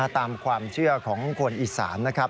ตามความเชื่อของคนอีสานนะครับ